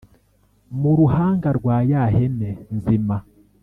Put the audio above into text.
mu ruhanga rwa ya hene nzima